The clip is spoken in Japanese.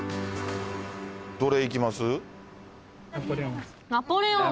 どれいきます？